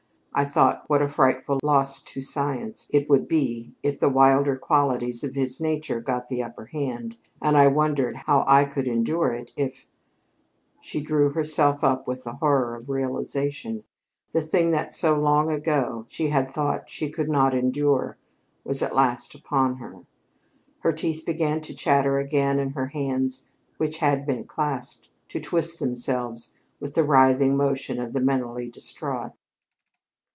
I thought what a frightful loss to science it would be if the wilder qualities of his nature got the upper hand, and I wondered how I could endure it if " She drew herself up with a horror of realization. The thing that so long ago she had thought she could not endure was at last upon her! Her teeth began to chatter again, and her hands, which had been clasped, to twist themselves with the writhing motion of the mentally distraught.